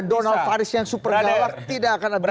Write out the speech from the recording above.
donald faris yang super galak tidak akan ada